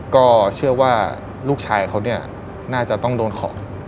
ก็เชื่อว่าลูกชายเขาเนี่ยน่าจะต้องโดนของ